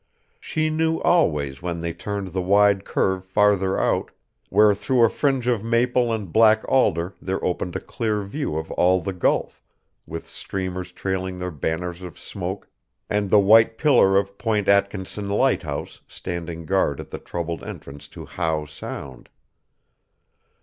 She knew always when they turned the wide curve farther out, where through a fringe of maple and black alder there opened a clear view of all the Gulf, with steamers trailing their banners of smoke and the white pillar of Point Atkinson lighthouse standing guard at the troubled entrance to Howe Sound.